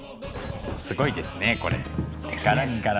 すごいですねこれ柄柄の。